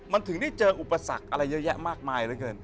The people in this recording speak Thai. มันถึงได้เจออุปสรรคอะไรเยอะแยะมากมายเหลือเกิน